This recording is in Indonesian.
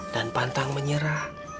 dan pantang menyerah